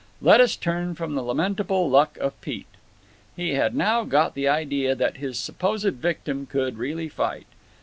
Let us turn from the lamentable luck of Pete. He had now got the idea that his supposed victim could really fight.